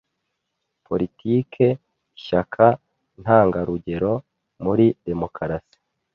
politique ishyaka ntangarugero muri demokarasi